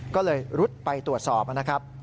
ก็เลยรุดไปตรวจสอบนะครับ